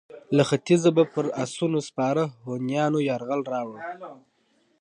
له ختیځه به پر اسونو سپاره هونیانو یرغل راووړ.